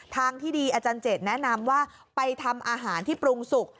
ทางที่ดีอาจารย์เจดแนะนำว่าไปทำอาหารที่ปรุงสุก